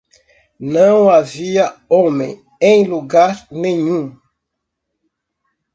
Não havia homem em lugar nenhum!